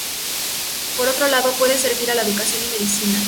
Por otro lado, puede servir a la educación y medicina.